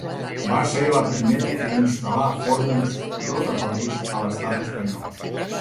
Va ser la primera que instal·là forns rotatoris a l'Estat Espanyol.